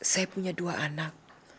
saya punya dua anak